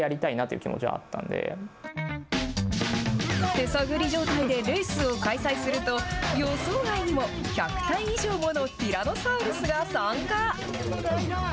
手探り状態でレースを開催すると、予想外にも１００体以上ものティラノサウルスが参加。